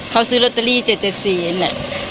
เขาซื้อรอตเตอรี่๗๗๔นี่แหละ